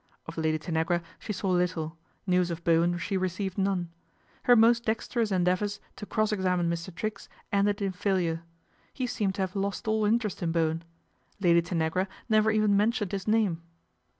Of Lady Tanagra she saw little, news of Bowen she received none. Her most dexterous endeavours to cross examine Mr. Triggs ended in failure. He seemed to have lost all interest in Bowen. Lady Tanagra never even mentioned his name.